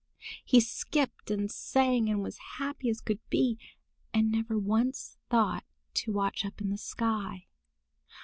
He skipped and sang and was happy as could be, and never once thought to watch up in the sky.